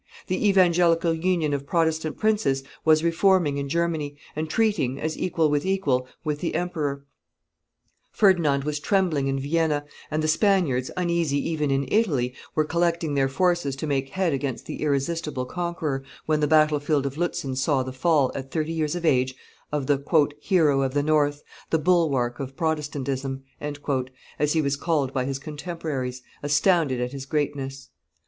The evangelical union of Protestant princes was re forming in Germany, and treating, as equal with equal, with the emperor; Ferdinand was trembling in Vienna, and the Spaniards, uneasy even in Italy, were collecting their forces to make head against the irresistible conqueror, when the battle field of Lutzen saw the fall, at thirty years of age, of the "hero of the North, the bulwark of Protestantism," as he was called by his contemporaries, astounded at his greatness.